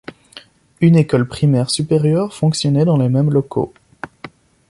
Une école primaire supérieure fonctionnait dans les mêmes locaux.